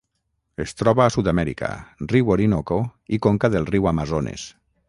Es troba a Sud-amèrica: riu Orinoco i conca del riu Amazones.